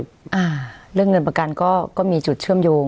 อ่าเรื่องเงินประกันก็ก็มีจุดเชื่อมโยง